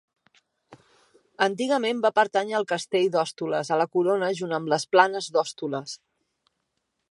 Antigament va pertànyer al castell d'Hostoles i a la corona junt amb les Planes d'Hostoles.